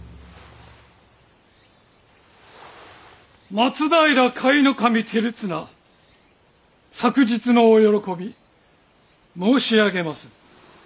松平甲斐守輝綱朔日のお喜び申し上げまする。